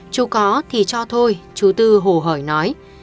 chú có thì cho thôi chú tư hồ hỏi nói